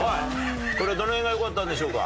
これはどの辺が良かったんでしょうか？